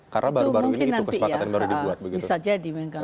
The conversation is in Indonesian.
karena baru baru ini itu kesepakatan baru dibuat